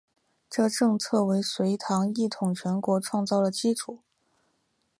这政策为隋唐一统全国创造了基础。